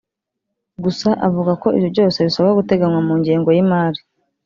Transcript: Gusa avuga ko ibyo byose bisabwa guteganywa mu ngengo y’imari